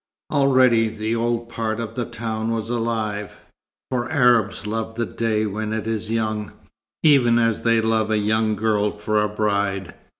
Already the old part of the town was alive, for Arabs love the day when it is young, even as they love a young girl for a bride.